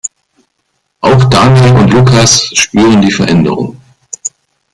Auch Daniel und Lukas spüren die Veränderung.